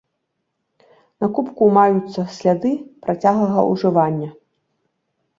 На кубку маюцца сляды працяглага ўжывання.